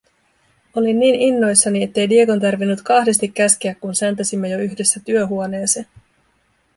Olin niin innoissani, ettei Diegon tarvinnut kahdesti käskeä, kun säntäsimme jo yhdessä työhuoneeseen.